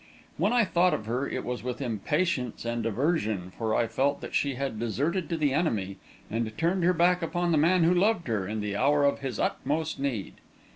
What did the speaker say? When I thought of her, it was with impatience and aversion, for I felt that she had deserted to the enemy and turned her back upon the man who loved her, in the hour of his utmost need.